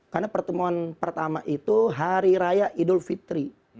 karena pertemuan pertama itu hari raya idul fitri